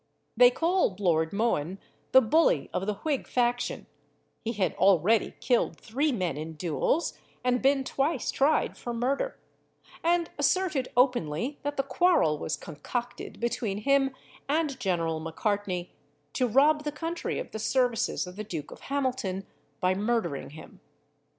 They called Lord Mohun the bully of the Whig faction (he had already killed three men in duels, and been twice tried for murder), and asserted openly that the quarrel was concocted between him and General Macartney to rob the country of the services of the Duke of Hamilton by murdering him.